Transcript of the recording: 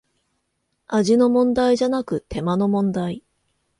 味の問題じゃなく手間の問題